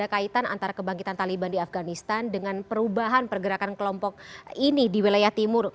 ada kaitan antara kebangkitan taliban di afganistan dengan perubahan pergerakan kelompok ini di wilayah timur